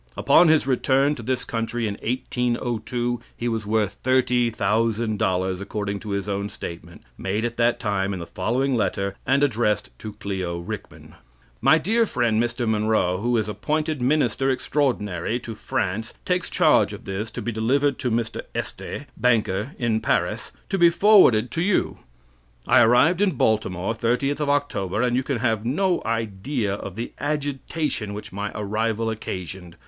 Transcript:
Upon his return to this country, in 1802, he was worth $30,000, according to his own statement, made at that time in the following letter, and addressed to Clio Rickman: "My dear friend, Mr. Monroe, who is appointed minister extraordinary to France, takes charge of this, to be delivered to Mr. Este, banker, in Paris, to be forwarded to you. "I arrived in Baltimore, 30th of October, and you can have no idea of the agitation which my arrival occasioned.